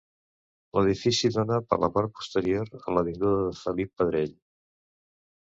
L'edifici dóna, per la part posterior, a l'avinguda de Felip Pedrell.